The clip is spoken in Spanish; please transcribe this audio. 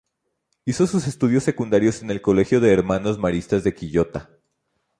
Hizo sus estudios secundarios en el Colegio de los Hermanos Maristas de Quillota.